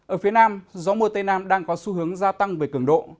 ở phía nam gió mùa tây nam đang có xu hướng gia tăng về cường độ